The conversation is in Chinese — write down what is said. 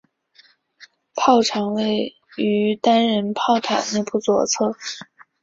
炮长位于单人炮塔内部左侧。